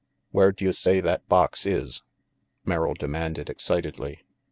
"Where d'you say that box is?" Merrill demanded excitedly.